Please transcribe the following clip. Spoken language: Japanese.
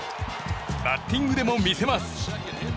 バッティングでも見せます。